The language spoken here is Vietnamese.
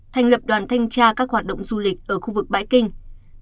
thành lập đoàn thanh tra các hoạt động du lịch ở khu vực bãi kinh